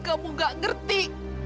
kamu gak ngerti